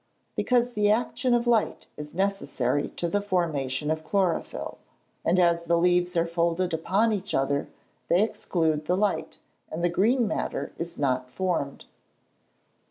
_ Because the action of light is necessary to the formation of chlorophyll; and as the leaves are folded upon each other, they exclude the light, and the green matter is not formed.